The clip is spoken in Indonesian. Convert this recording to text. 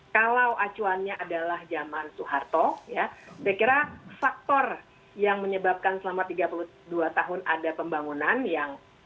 kalau acuannya adalah zaman soeharto ya saya kira faktor yang menyebabkan selama tiga puluh dua tahun ada pembangunan yang